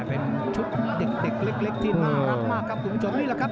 เป็นชุดเด็กเล็กที่น่ารักมากครับตรงนี้แหละครับ